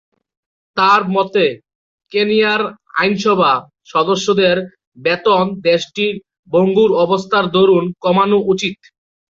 তার মতে, কেনিয়ার আইনসভা সদস্যদের বেতন দেশটির ভঙ্গুর অবস্থার দরুন কমানো উচিত।